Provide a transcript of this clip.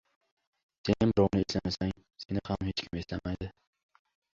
• Sen birovni eslamasang seni ham hech kim eslamaydi.